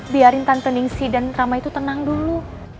biarin tante ningsi dan rama itu tenang dulu